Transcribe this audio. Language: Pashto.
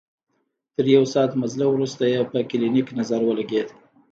تر يو ساعت مزله وروسته يې په کلينيک نظر ولګېد.